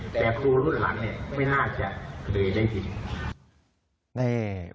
แต่ครูรุ่นหลังเนี่ยไม่น่าจะเคยได้ยิน